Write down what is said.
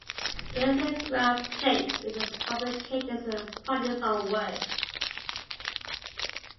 The lithographed plates in his publications were in part his own work.